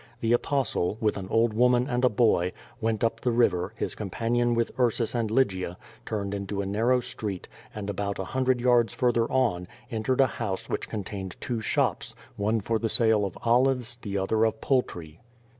The Apostle, with an old woman and a boy, went up tlie river, his companion with L^rsus and Lygia, turned into a narrow street, and about a hundred yards further on, en tered a house which contained two shops, one for the sale of olives, the other of poultry.